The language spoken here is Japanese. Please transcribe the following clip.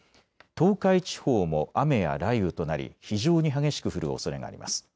東海地方も雨や雷雨となり非常に激しく降るおそれがあります。